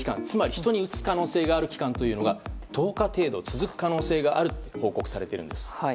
つまり人にうつす可能性がある期間というのが１０日程度続く可能性があると報告されてるんです。